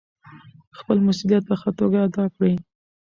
خپل مسوولیت په ښه توګه ادا کړئ.